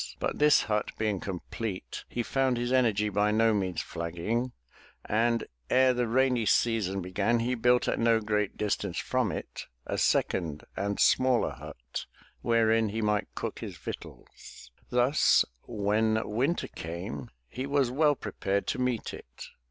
But this hut being complete, he found his energy by no means flagging, and 342 THE TREASURE CHEST ere the rainy season began he built at no great distance from it a second and smaller hut wherein he might cook his victuals. Thus when winter came he was well prepared to meet it.